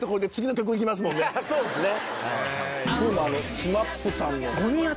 そうですね。